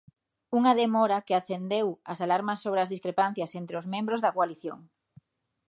Unha demora que acendeu as alarmas sobre as discrepancias entre os membros da coalición.